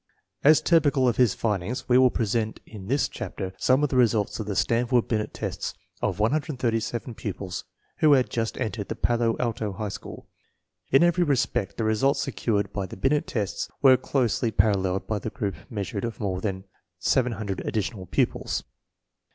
1 As typical of his findings we will present in this chapter some of the results of the Stanf ord Binet tests of 137 pupils who had just entered the Palo Alto High School. In every respect the results secured by the Binet tests were closely paralleled by the group meas urements of more than 700 additional pupils.